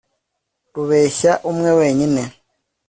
rubeshya umwe wenyine